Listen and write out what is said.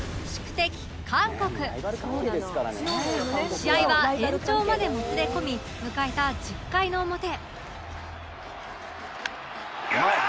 試合は延長までもつれ込み迎えた１０回の表